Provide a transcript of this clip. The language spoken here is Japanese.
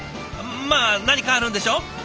まあ何かあるんでしょう。